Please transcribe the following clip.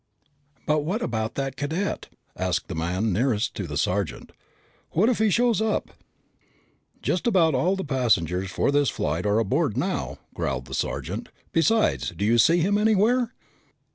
"But what about that cadet?" asked the man nearest to the sergeant. "What if he shows up?" "Just about all the passengers for this flight are aboard now," growled the sergeant. "Besides, do you see him anywhere?"